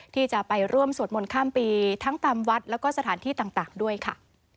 ที่จะไปร่วมสวดมนต์ข้ามปีทั้งตามวัดแล้วก็สถานที่ต่างด้วยค่ะ